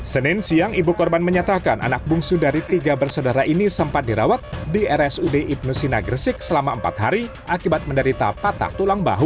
senin siang ibu korban menyatakan anak bungsu dari tiga bersaudara ini sempat dirawat di rsud ibnu sina gresik selama empat hari akibat menderita patah tulang bahu